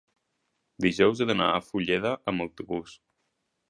dijous he d'anar a Fulleda amb autobús.